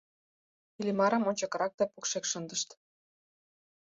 Иллимарым ончыкырак да покшек шындышт.